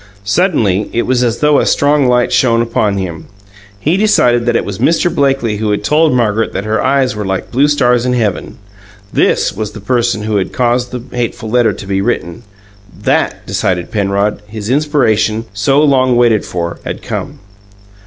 Suddenly it was as though a strong light shone upon him: he decided that it was Mr. Blakely who had told Margaret that her eyes were like blue stars in heaven THIS was the person who had caused the hateful letter to be written! That decided Penrod; his inspiration, so long waited for, had come.